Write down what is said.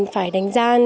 phải đánh gian